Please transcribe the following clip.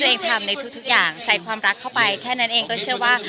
ทำในทุกอย่างใส่ความรักเข้าไปแค่นั้นเองก็เชื่อว่า